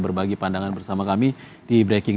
berbagi pandangan bersama kami di breaking